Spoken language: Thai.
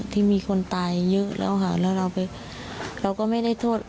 ที่มีคนตายเยอะแล้วค่ะแล้วเราไปเราก็ไม่ได้โทษ